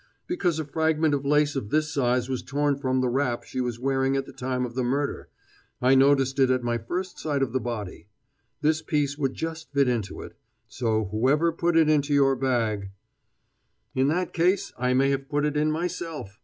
"Because a fragment of lace of this size was torn from the wrap she was wearing at the time of the murder I noticed it at my first sight of the body. This piece would just fit into it. So, whoever put it into your bag " "In that case I may have put it in myself!"